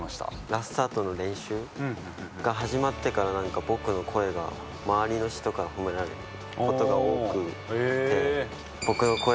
『ＬＡＳＴＡＲＴ』の練習が始まってから僕の声が周りの人から褒められることが多くなって。